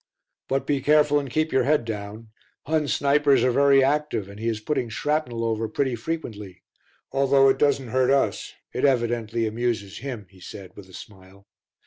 "But be careful and keep your head down. Hun snipers are very active and he is putting shrapnel over pretty frequently. Although it doesn't hurt us it evidently amuses him," he said, with a smile.